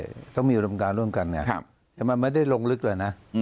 ต้องมีอุดมการร่วมกันเนี่ยแต่มันไม่ได้ลงลึกเลยนะ